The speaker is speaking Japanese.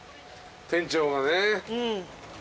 店長がね。